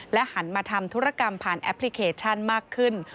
หันมาทำธุรกรรมผ่านแอปพลิเคชันมากขึ้น